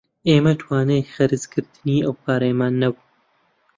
ئێمە توانای خەرچکردنی ئەو پارەیەمان نەبوو